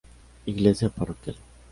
Iglesia Parroquial.